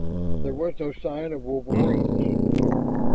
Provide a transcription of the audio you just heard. There was no sign of wolverines.